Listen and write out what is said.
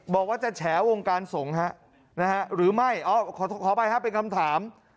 บอกว่าจะแฉวงการส่งหรือไม่ขอไปครับเป็นคำถาม